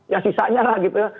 ya sisanya lah gitu ya